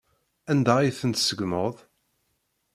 Anda ay tent-tṣeggmeḍ?